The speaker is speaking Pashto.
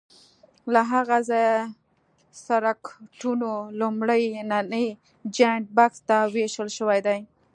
له هغه ځایه سرکټونو لومړني جاینټ بکس ته وېشل شوي دي.